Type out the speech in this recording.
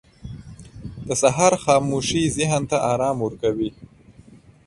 • د سهار خاموشي ذهن ته آرام ورکوي.